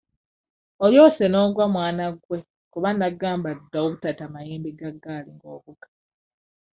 Olyose n'ogwa mwana gwe kuba nnakugamba dda obutata mayembe ga ggaali ng'ovuga.